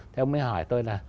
thế ông mới hỏi tôi là